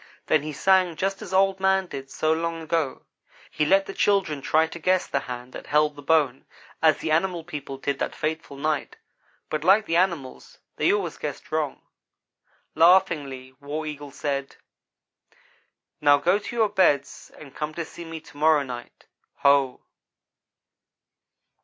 Then he sang just as Old man did so long ago. He let the children try to guess the hand that held the bone, as the animal people did that fateful night; but, like the animals, they always guessed wrong. Laughingly War Eagle said: "Now go to your beds and come to see me to morrow night. Ho!"